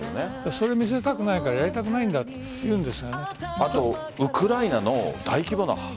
それを見せたくないからやりたくないんだと言うんです。